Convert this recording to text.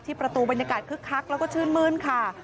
ประตูบรรยากาศคึกคักแล้วก็ชื่นมื้นค่ะ